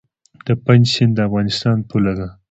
د پنج سیند د افغانستان پوله ده